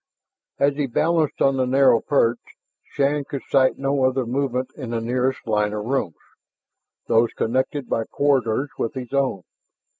As he balanced on the narrow perch, Shann could sight no other movement in the nearest line of rooms, those connected by corridors with his own.